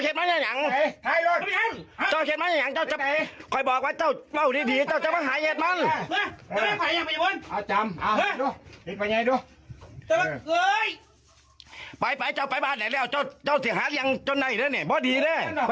รถเข้าไปแบบนั้นล่ะเจ้าของเขาเป็นอยู่อ่ะ